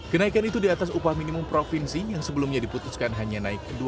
kenaikan itu di atas upah minimum provinsi yang sebelumnya diputuskan hanya naik ke rp dua puluh dua